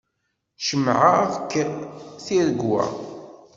Cemɛeɣ-ak tiregwa.